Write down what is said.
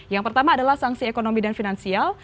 yang pertama adalah sanksi ekonomi dan finansial